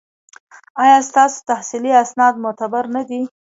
ایا ستاسو تحصیلي اسناد معتبر نه دي؟